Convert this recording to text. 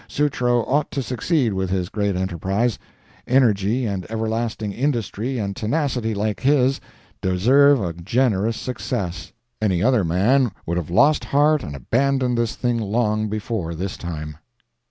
Sutro ought to succeed with his great enterprise. Energy and everlasting industry and tenacity like his, deserve a generous success. Any other man would have lost heart and abandoned this thing long before this time.